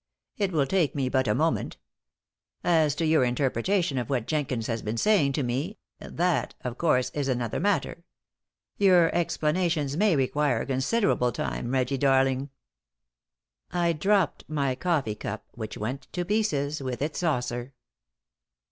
"It will take me but a moment. As to your interpretation of what Jenkins has been saying to me that, of course, is another matter. Your explanations may require considerable time, Reggie, darling." I dropped my coffee cup, which went to pieces with its saucer.